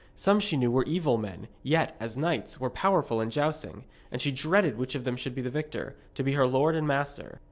Some she knew were evil men, yet, as knights, were powerful in jousting. And she dreaded which of them should be the victor, to be her lord and master.